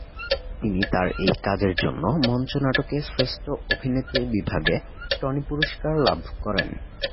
তিনি তার এই কাজের জন্য মঞ্চনাটকে শ্রেষ্ঠ অভিনেত্রী বিভাগে টনি পুরস্কার লাভ করেন।